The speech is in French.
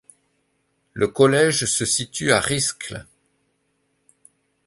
Le collège se situe à Riscle.